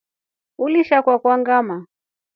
Ulisha kwakwa ngamaa.